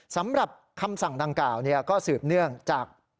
สำหรับคำสั่งดังกล่าวก็สืบเนื่องจาก